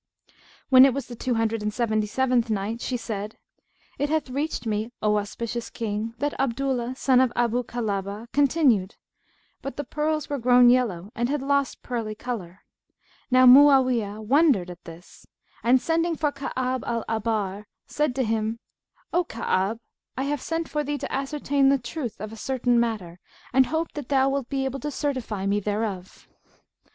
When it was the Two Hundred and Seventy seventh Night, She said, It hath reached me, O auspicious King, that Abdullah son of Abu Kilabah continued, "But the pearls were grown yellow and had lost pearly colour. Now Mu'awiyah wondered at this and, sending for Ka'ab al Ahbar[FN#168] said to him, 'O Ka'ab, I have sent for thee to ascertain the truth of a certain matter and hope that thou wilt be able to certify me thereof.'